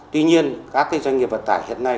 tuy nhiên các doanh nghiệp vận tải hiện nay